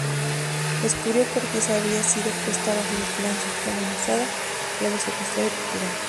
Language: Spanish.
Descubrió que Ortiz había sido puesta bajo vigilancia, fue amenazada, luego secuestrada y torturada.